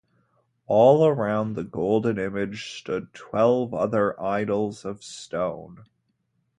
All around the golden image stood twelve other idols of stone.